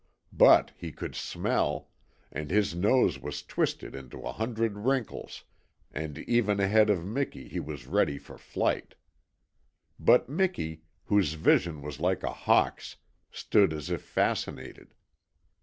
But he could SMELL, and his nose was twisted into a hundred wrinkles, and even ahead of Miki he was ready for flight. But Miki, whose vision was like a hawk's, stood as if fascinated.